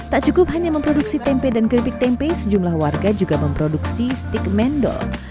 tak cukup hanya memproduksi tempe dan keripik tempe sejumlah warga juga memproduksi stik mendol